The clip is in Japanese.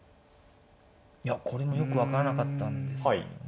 いやこれもよく分からなかったんですよね。